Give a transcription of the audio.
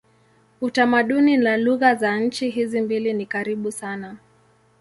Utamaduni na lugha za nchi hizi mbili ni karibu sana.